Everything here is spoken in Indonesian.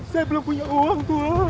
saya belum punya uang